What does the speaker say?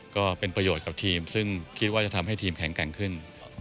ก็เป็นประโยชน์กับทีมซึ่งคิดว่าจะทำให้ทีมแข็งแกร่งขึ้น